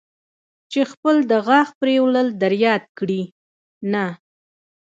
چې خپل د غاښ پرېولل در یاد کړي، نه.